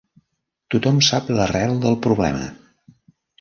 Tothom sap l'arrel del problema.